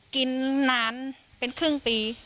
กินนานเป็นครึ่งปี